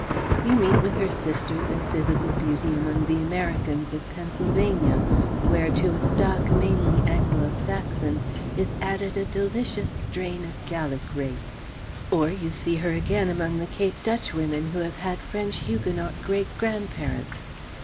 You meet with her sisters in physical beauty among the Americans of Pennsylvania, where, to a stock mainly Anglo Saxon, is added a delicious strain of Gallic race; or you see her again among the Cape Dutch women who have had French Huguenot great grandparents.